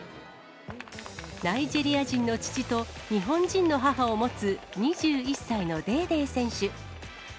ナイジェリア人の父と、日本人の母を持つ２１歳のデーデー選手。